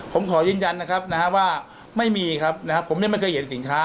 ผมขอยืนยันนะครับนะฮะว่าไม่มีครับนะครับผมเนี่ยไม่เคยเห็นสินค้า